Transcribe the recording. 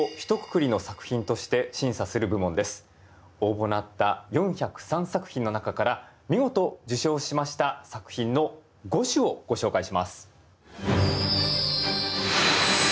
この賞は応募のあった４０３作品の中から見事受賞しました作品の５首をご紹介します。